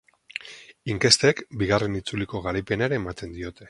Inkestek bigarren itzuliko garaipena ere ematen diote.